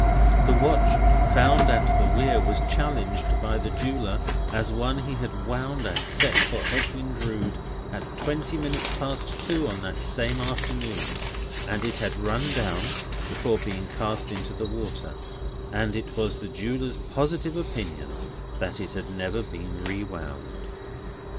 The watch found at the Weir was challenged by the jeweller as one he had wound and set for Edwin Drood, at twenty minutes past two on that same afternoon; and it had run down, before being cast into the water; and it was the jeweller's positive opinion that it had never been re wound.